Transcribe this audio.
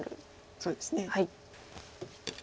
そうですね。